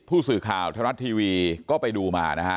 ผู้สื่อข่าวไทยรัฐทีวีก็ไปดูมานะฮะ